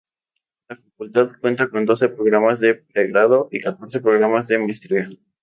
La Facultad cuenta con doce programas de pregrado, y catorce programas de maestría.